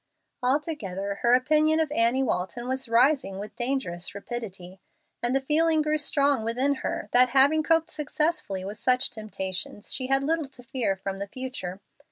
Altogether, her opinion of Annie Walton was rising with dangerous rapidity; and the feeling grew strong within her that, having coped successfully with such temptations, she had little to fear from the future.